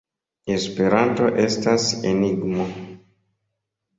Esperanto estas enigmo.